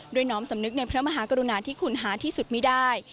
น้อมสำนึกในพระมหากรุณาที่คุณหาที่สุดไม่ได้